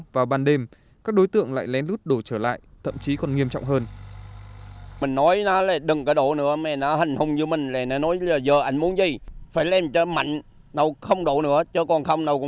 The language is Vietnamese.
vào ban đêm các đối tượng lại lén lút đổ trở lại thậm chí còn nghiêm trọng hơn